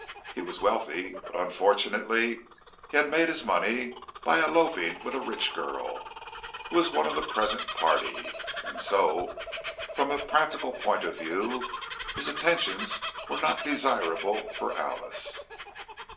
He was wealthy, but unfortunately he had made his money by eloping with a rich girl (who was one of the present party), and so, from a practical point of view, his attentions were not desirable for Alice.